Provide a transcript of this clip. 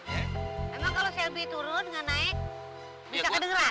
emang kalau shelby turun gak naik bisa kedengeran